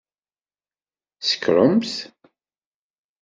Tsekṛemt!